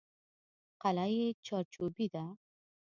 قلعه یې چارچوبي ده.